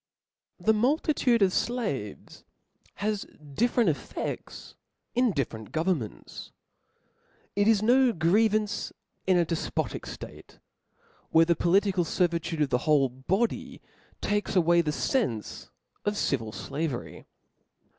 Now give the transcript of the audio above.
fTPHE multitude of flaves has different ef '*' fefts in different governments. It is no grievance in a defpotic date, where the political fervitude of the whole body takes away the fenfc of civil flavery.